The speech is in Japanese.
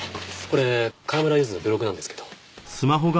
これ川村ゆずのブログなんですけど。